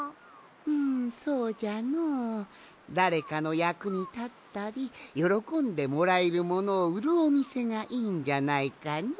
んそうじゃのだれかのやくにたったりよろこんでもらえるものをうるおみせがいいんじゃないかの？